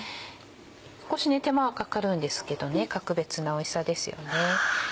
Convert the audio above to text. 少し手間はかかるんですけど格別なおいしさですよね。